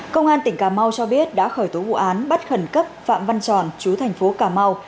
công an tỉnh cà mau cho biết đã khởi tố vụ án bắt khẩn cấp phạm văn tròn chú thành phố cà mau